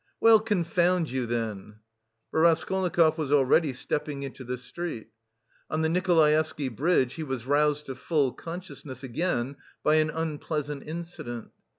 "Well, confound you then!" But Raskolnikov was already stepping into the street. On the Nikolaevsky Bridge he was roused to full consciousness again by an unpleasant incident.